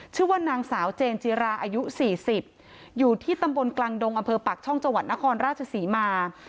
ชื่อว่านางสาวเจนจิราอายุ๔๐อยู่ที่ตำบลกลางดงอำเภอปากช่องจังหวัดนครราชศรีมา